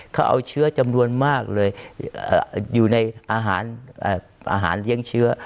เขาเอาเชื้อจำนวนมากเลยอยู่ในอาหารเลี้ยงเชื้อ